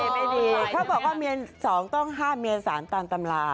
ไม่ดีเขาบอกว่าเมีย๒ต้องห้ามเมียสารตามตำรา